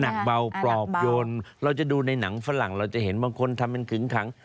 หนักเบาปลอบโยนเราจะดูในหนังฝรั่งเราจะเห็นบางคนทำเป็นขึงขัง